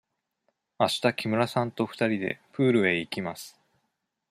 あした木村さんと二人でプールへ行きます。